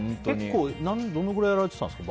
どのぐらいやられていたんですか。